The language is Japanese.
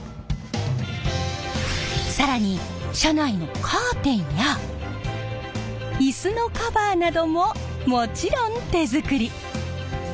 更に車内のカーテンやイスのカバーなどももちろん手作り！